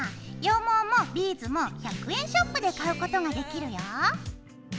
羊毛もビーズも１００円ショップで買うことができるよ。